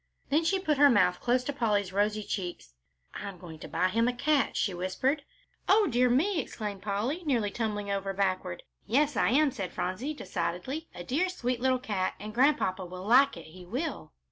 Then she put her mouth close to Polly's rosy cheek; "I'm going to buy him a cat," she whispered. "O dear me!" exclaimed Polly, nearly tumbling over backward. "Yes, I am," said Phronsie, decidedly, "a dear sweet little cat, and Grandpapa will like it, he will."